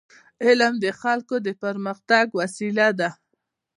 علم د خلکو د پرمختګ وسیله ده.